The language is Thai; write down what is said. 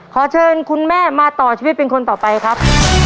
ขอเชิญคุณแม่มาต่อชีวิตเป็นคนต่อไปครับ